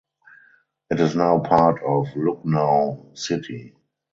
It is now part of Lucknow city.